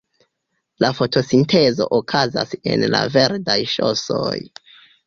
La fotosintezo okazas en la verdaj ŝosoj.